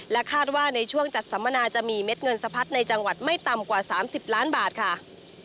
คาดว่าในช่วงจัดสัมมนาจะมีเม็ดเงินสะพัดในจังหวัดไม่ต่ำกว่า๓๐ล้านบาทค่ะ